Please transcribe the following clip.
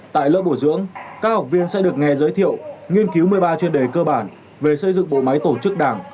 tại lớp bồi dưỡng các học viên sẽ được nghe giới thiệu nghiên cứu một mươi ba chuyên đề cơ bản về xây dựng bộ máy tổ chức đảng